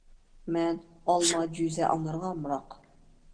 مەن ئالما جۈزە ئانارغا ئامراق